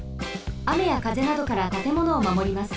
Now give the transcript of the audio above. あめやかぜなどからたてものをまもります。